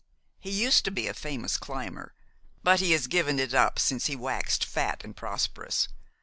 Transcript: He used to be a famous climber; but he has given it up since he waxed fat and prosperous.